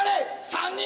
３人！